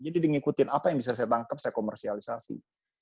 jadi dia ngikutin apa yang bisa saya tangkap saya komersialisasi